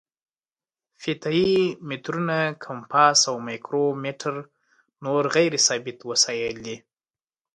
فیته یي مترونه، کمپاس او مایکرو میټر نور غیر ثابت وسایل دي.